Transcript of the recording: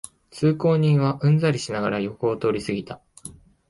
通行人はうんざりしながら横を通りすぎた